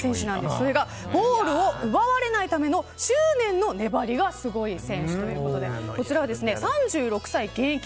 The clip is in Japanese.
それがゴールを奪われないための執念の粘りがすごい選手ということでこちらは、３６歳現役。